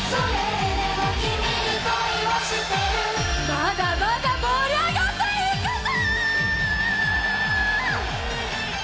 まだまだ盛り上がっていくぞ！